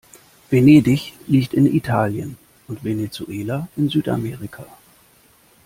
Venedig liegt in Italien und Venezuela in Südamerika.